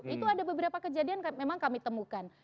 itu ada beberapa kejadian memang kami temukan